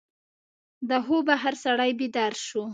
د خوبه هر سړی بیدار شو.